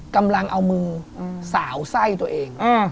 กำลังเอามือสาวไส้ตัวเอง